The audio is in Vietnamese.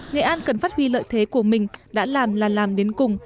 nghệ an cần phát huy lợi thế của mình đã làm là làm đến cùng